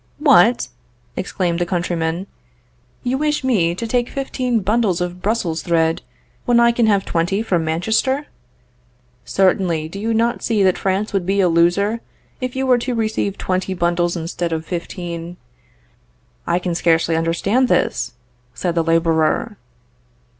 What! exclaimed the countryman, you wish me to take fifteen bundles of Brussels thread, when I can have twenty from Manchester? Certainly; do you not see that France would be a loser, if you were to receive twenty bundles instead of fifteen? I can scarcely understand this, said the laborer.